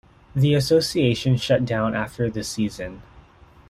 The association shut down after the season.